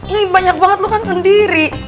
ini banyak banget lo kan sendiri